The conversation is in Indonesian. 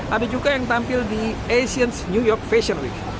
ada juga yang tampil di asians new york fashion week